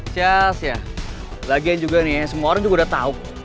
ches ya lagian juga nih semua orang juga udah tahu